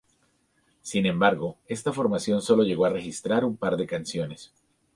Sin embargo, esta formación sólo llegó a registrar un par de canciones.